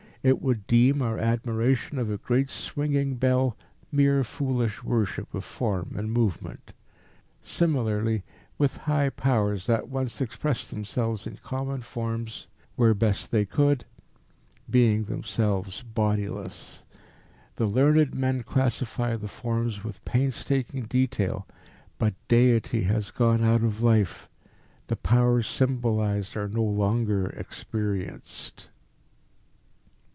It would deem our admiration of a great swinging bell mere foolish worship of form and movement. Similarly, with high Powers that once expressed themselves in common forms where best they could being themselves bodiless. The learned men classify the forms with painstaking detail. But deity has gone out of life. The Powers symbolised are no longer experienced."